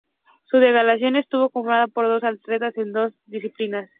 Su delegación estuvo conformada por dos atletas en dos disciplinas.